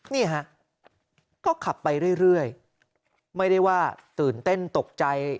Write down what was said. นี่ฮะก็ขับไปเรื่อยไม่ได้ว่าตื่นเต้นตกใจ